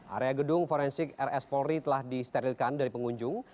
area gedung forensik rs polri telah disterilkan dari pengunjung